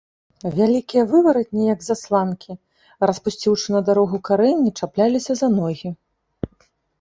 Вялікія вываратні, як засланкі, распусціўшы на дарогу карэнні, чапляліся за ногі.